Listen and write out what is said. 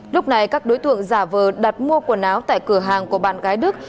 lúc này các đối tượng giả vờ đặt mua quần áo tại cửa hàng của bạn gái đức